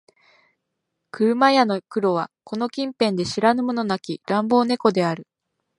車屋の黒はこの近辺で知らぬ者なき乱暴猫である